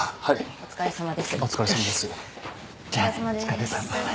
お疲れさまです。